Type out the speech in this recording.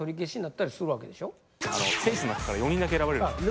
選手の中から４人だけ選ばれるんですよ。